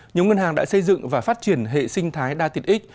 nhóm ngân hàng đã xây dựng và phát triển hệ sinh thái đa tiệt ích